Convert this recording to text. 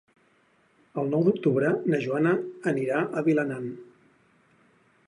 El nou d'octubre na Joana anirà a Vilanant.